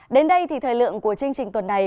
đến đây thì thời lượng của chương trình tuần này